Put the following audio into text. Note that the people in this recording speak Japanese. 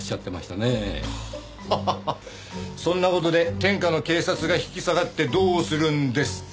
ハハハッそんな事で天下の警察が引き下がってどうするんですか。